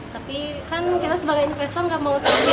tapi kan kita sebagai investor nggak mau pergi